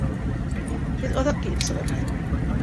Беҙ аҙаҡ килеп сығырбыҙ.